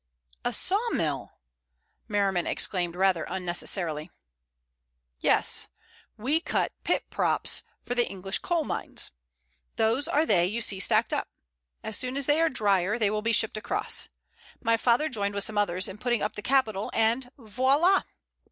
"A sawmill!" Merriman exclaimed rather unnecessarily. "Yes. We cut pit props for the English coal mines. Those are they you see stacked up. As soon as they are drier they will be shipped across. My father joined with some others in putting up the capital, and—voila!"